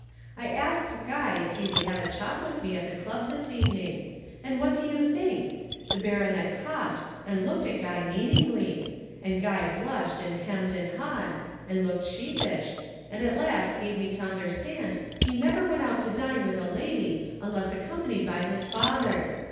I asked Guy if he would have a chop with me at the club this evening, and what do you think? The baronet coughed and looked at Guy meaningly, and Guy blushed and hemmed and hawed and looked sheepish and at last gave me to understand he never went out to dine with a lady unless accompanied by his father.